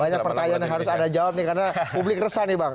banyak pertanyaan yang harus anda jawab nih karena publik resah nih bang